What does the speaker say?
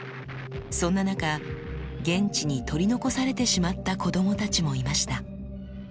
そんな中現地に取り残されてしまった子供たちもいました。